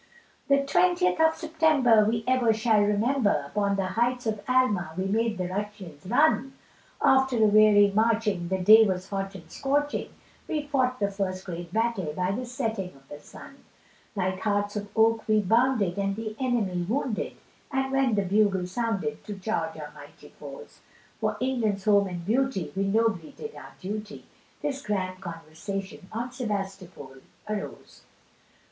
The twentieth of September we ever shall remember, Upon the heights of Alma we made the Russians run, After a weary marching the day was hot and scorching, We fought the first great battle by the setting of the sun, Like hearts of oak we bounded and the enemy wounded, And when the bugle sounded to charge our mighty foes, For England's home and beauty we nobly did our duty, This grand conversation on Sebastopol arose.